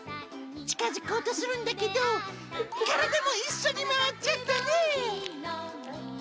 近づこうとするんだけど、体も一緒に回っちゃったね。